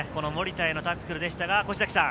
森田へのタックルでしたが。